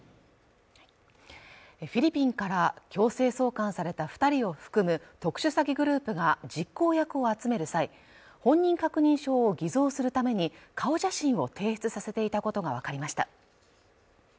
フィリピンから強制送還された二人を含む特殊詐欺グループが実行役を集める際本人確認証を偽造するために顔写真を提出させていたことが分かりました